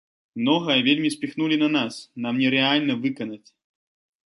Многае вельмі спіхнулі на нас, нам нерэальна выканаць.